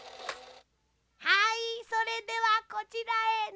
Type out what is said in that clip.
はいそれではこちらへのせて。